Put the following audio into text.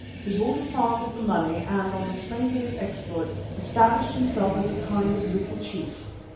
He bought a farm with the money, and on the strength of his exploits, established himself as a kind of little chief.